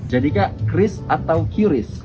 jadi kak kris atau kuris